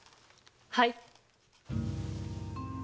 はい。